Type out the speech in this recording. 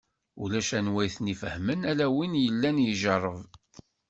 Ulac anwa i ten-ifehmen, ala win yellan ijerreb.